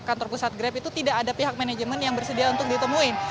kantor pusat grab itu tidak ada pihak manajemen yang bersedia untuk ditemuin